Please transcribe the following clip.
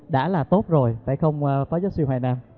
đã là tốt rồi phải không phó giáo sư hoài nam